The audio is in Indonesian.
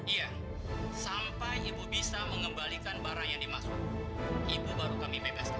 iya sampai ibu bisa mengembalikan barang yang dimaksud ibu baru kami bebaskan